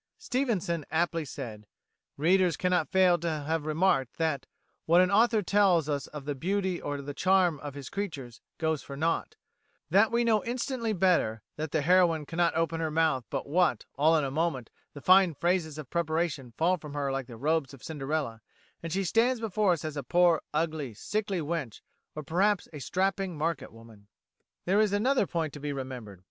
Stevenson aptly said, "Readers cannot fail to have remarked that what an author tells us of the beauty or the charm of his creatures goes for nought; that we know instantly better; that the heroine cannot open her mouth but what, all in a moment, the fine phrases of preparation fall from her like the robes of Cinderella, and she stands before us as a poor, ugly, sickly wench, or perhaps a strapping market woman." There is another point to be remembered.